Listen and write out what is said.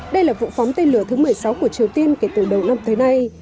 đây là vụ phóng tên lửa thứ một mươi sáu của triều tiên kể từ đầu năm tới nay